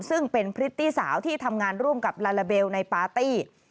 ซึ่งเป็นพริตตี้สาวที่ทำงานร่วมกับลาลาเบลในปาร์ตี้